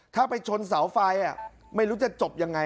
ถ้าไปชนเสาไฟไม่รู้จะจบยังไง